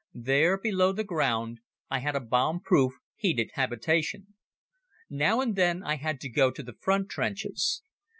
There, below the ground, I had a bomb proof, heated habitation. Now and then I had to go to the front trenches.